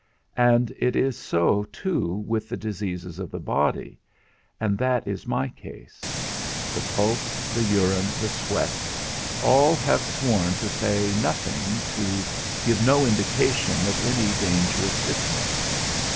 And it is so too with the diseases of the body; and that is my case. The pulse, the urine, the sweat, all have sworn to say nothing, to give no indication of any dangerous sickness.